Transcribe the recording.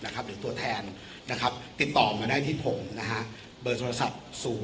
ที่มีตัวแทนนะครับติดต่อมาได้ที่ผมนะฮะเบอร์โทรศัพท์